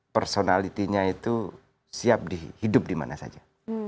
personality nya itu siap hidup di mana saja